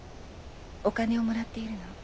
お金をもらっているの。